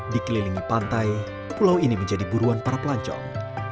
dikelilingi pantai pulau ini menjadi buruan para pelancong